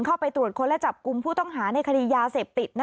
เข้าไปตรวจค้นและจับกลุ่มผู้ต้องหาในคดียาเสพติด